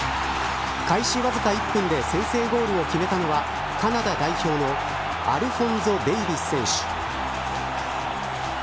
開始わずか１分で先制ゴールを決めたのはカナダ代表のアルフォンゾ・デイヴィス選手。